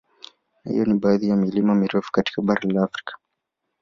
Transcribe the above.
Na hiyo ni baadhi ya milima mirefu katika bara la Afrika